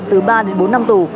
từ ba đến bốn năm tù